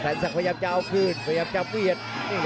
สะสะโพยับจะเอาขึ้นพยับจับเวียน